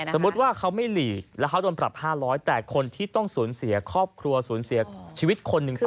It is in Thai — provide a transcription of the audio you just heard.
สมมุติว่าเขาไม่หลีกแล้วเขาโดนปรับ๕๐๐แต่คนที่ต้องสูญเสียครอบครัวสูญเสียชีวิตคนหนึ่งคือ